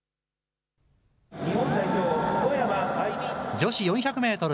女子４００メートル